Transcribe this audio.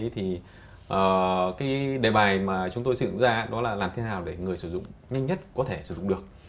thì đề bài mà chúng tôi xửng ra là làm thế nào để người sử dụng nhanh nhất có thể sử dụng được